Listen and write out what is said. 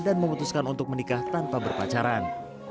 dan memutuskan untuk menikah tanpa berpacaran